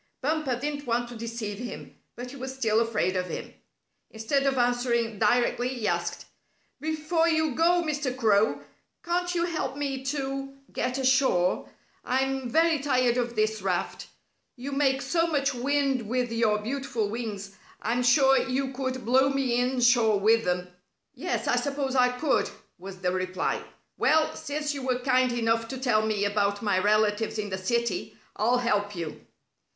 Bumper didn't want to deceive him, but he was still afraid of him. Instead of answering directly, he asked: "Before you go, Mr. Crow, can't you help me to get ashore? I'm very tired of this raft. You make so much wind with your beautiful wings, I'm sure you could blow me inshore with them." "Yes, I suppose I could," was the reply. "Well, since you were kind enough to tell me about my relatives in the city, I'll help you."